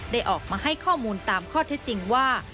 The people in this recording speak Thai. ได้ออกมาให้ข้อมูลตามข้อเท็จจริงว่า